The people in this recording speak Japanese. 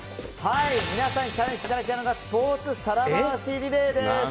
皆さんにチャレンジしていただきたいのがスポーツ皿回しリレーです。